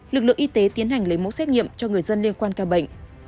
lực lượng y tế tiến hành lấy mẫu xét nghiệm cho người dân liên quan ca bệnh